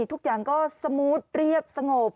ทุกอย่างก็สมูทเรียบสงบ